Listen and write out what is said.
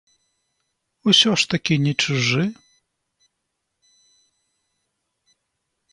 Усё ж такі не чужы.